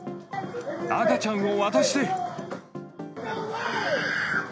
赤ちゃんを渡して。